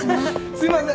すいません。